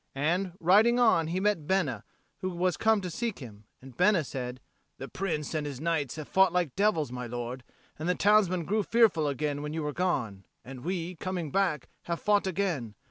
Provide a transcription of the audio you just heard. And, riding on, he met Bena, who was come to seek him. And Bena said, "The Prince and his knights have fought like devils, my lord, and the townsmen grew fearful again when you were gone; and we, coming back, have fought again.